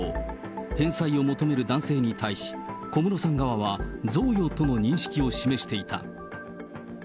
返済を求める男性に対し、小室さん側は、贈与との認識を示していた。